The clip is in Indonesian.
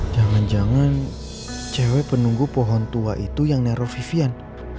jangan jangan cewek penunggu pohon tua itu yang nerovivian